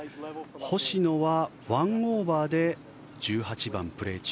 星野は１オーバーで１８番、プレー中。